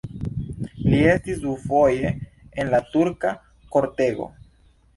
Li estis dufoje en la turka kortego.